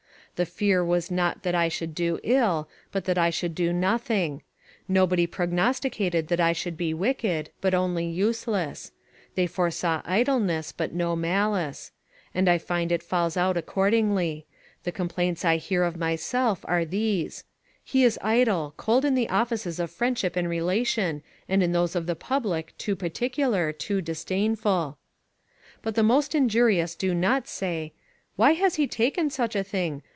The fear was not that I should do ill, but that I should do nothing; nobody prognosticated that I should be wicked, but only useless; they foresaw idleness, but no malice; and I find it falls out accordingly: The complaints I hear of myself are these: "He is idle, cold in the offices of friendship and relation, and in those of the public, too particular, too disdainful." But the most injurious do not say, "Why has he taken such a thing?